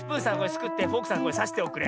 すくってフォークさんさしておくれ。